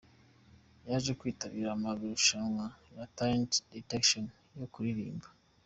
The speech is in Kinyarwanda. Yaje kwitabira amarushanwa ya Talent Detection, yo kuririmba.